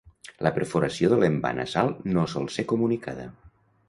La perforació de l'envà nasal no sol ser comunicada.